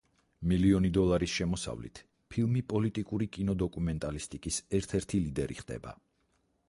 მილიონი დოლარის შემოსავლით ფილმი პოლიტიკური კინოდოკუმენტალისტიკის ერთ-ერთი ლიდერი ხდება.